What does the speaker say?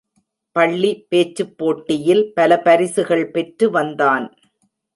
பள்ளி பேச்சுப் போட்டியில் பல பரிசுகள் பெற்று வந்தான்.